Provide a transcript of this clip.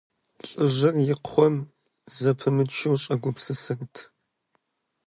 ЛӀыжьыр и къуэм зэпымычу щӀэгупсысырт.